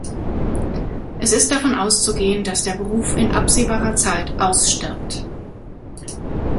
Es ist davon auszugehen, dass der Beruf in absehbarer Zeit ausstirbt.